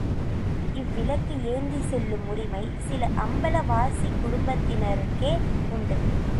இவ்விளக்கு ஏந்திச் செல்லும் உரிமை சில அம்பல வாசிக் குடும்பத்தினர்க்கே உண்டு.